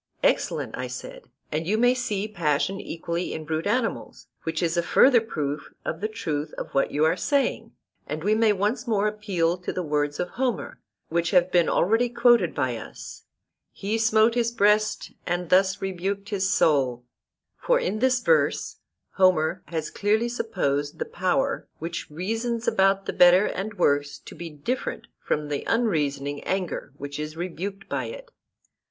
Excellent, I said, and you may see passion equally in brute animals, which is a further proof of the truth of what you are saying. And we may once more appeal to the words of Homer, which have been already quoted by us, 'He smote his breast, and thus rebuked his soul,' for in this verse Homer has clearly supposed the power which reasons about the better and worse to be different from the unreasoning anger which is rebuked by it.